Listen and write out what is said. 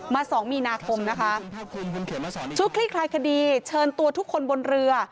สองมีนาคมนะคะชุดคลี่คลายคดีเชิญตัวทุกคนบนเรือ